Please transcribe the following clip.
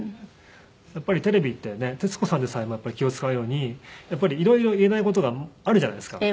やっぱりテレビってね徹子さんでさえも気を使うように色々言えない事があるじゃないですか。